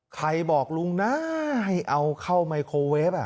ใครบอกลุงนะให้เอาเข้าไมโครเวฟ